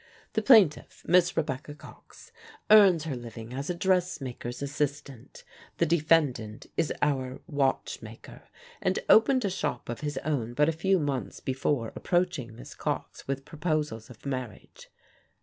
The plaintiff, Miss Rebecca Cox, earns her living as a dressmaker's assistant; the defendant is our watch maker, and opened a shop of his own but a few months before approaching Miss Cox with proposals of marriage.